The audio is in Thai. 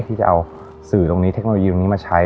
ที่จะเอาสื่อตรงนี้เทคโนโลยีนี้มาใช้